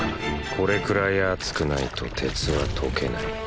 これくらい熱くないと鉄は溶けない。